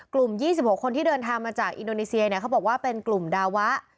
๒๖คนที่เดินทางมาจากอินโดนีเซียเนี่ยเขาบอกว่าเป็นกลุ่มดาวะ